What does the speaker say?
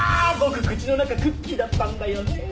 僕口の中クッキーだったんだよね。